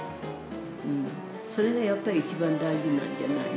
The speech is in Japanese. それがやっぱり一番大事なんじゃないの。